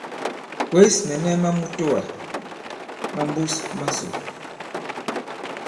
Kwěs mɛ̀nɛ ma mutoà ma mbus masò.